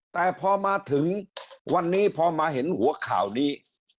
แต่พอมาถึงวันนี้พอมาเห็นหัวข่าวนี้